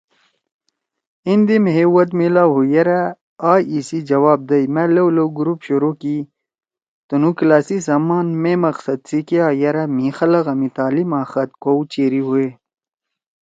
ایندے مھیئے ود میلاؤ ہُو یرأ آ ایِسی جواب دئی۔ مأ لؤ لؤ گروپ سوؤ شروع کی تُنُو کلاسیِا سمان مے مقصد سی کیا یرأ مھی خلگا می تعلیم آں خط کؤ چیری ہُوئے۔